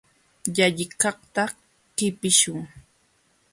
Llalliqkaqta qipiśhun.